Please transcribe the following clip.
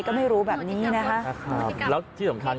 ก็ไม่รู้แบบนี้นะคะแล้วที่สำคัญ